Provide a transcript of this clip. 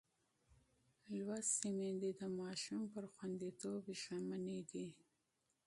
لوستې میندې د ماشوم پر خوندیتوب ژمنه ده.